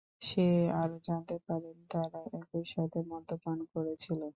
সে আরও জানতে পারে, তারা একইসাথে মদ্যপান করেছিল।